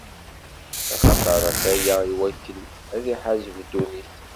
Axaṭer ataya iwakken ad iḥaseb ddunit.